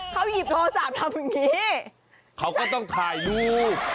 เขาหยิบโทรศัพท์ทำอย่างนี้เขาก็ต้องถ่ายรูป